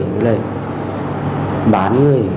với lại bán người